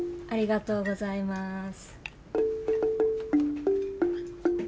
ありがとうございます。